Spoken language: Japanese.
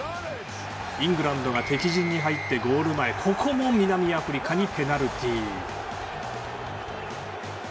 イングランドが敵陣に入って、ゴール前ここも南アフリカにペナルティー。